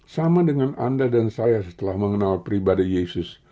sama dengan anda dan saya setelah mengenal pribadi yesus